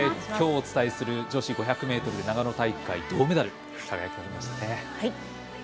きょう、お伝えする女子５００ｍ長野大会銅メダル、輝きましたね。